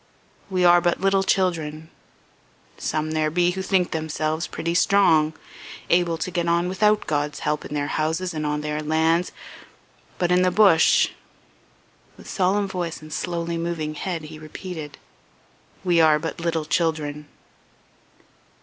We are but little children. Some there be who think themselves pretty strong able to get on without God's help in their houses and on their lands...but in the bush..." With solemn voice and slowly moving head he repeated: "We are but little children."